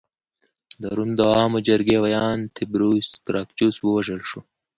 د روم د عوامو جرګې ویاند تیبریوس ګراکچوس ووژل شو